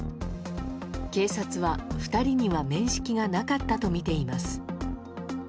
警察は、２人には面識がなかったとみています。